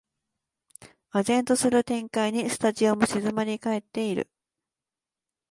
唖然とする展開にスタジオも静まりかえってる